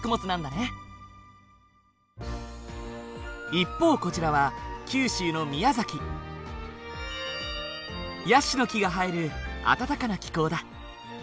一方こちらは九州のヤシの木が生える暖かな気候だ。